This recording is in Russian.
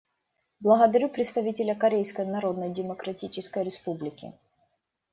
Благодарю представителя Корейской Народно-Демократической Республики.